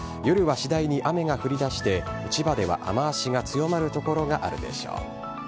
夜は次第に雨が降りだして、千葉では雨足が強まる所があるでしょう。